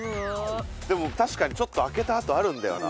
でも確かにちょっと開けた跡あるんだよな。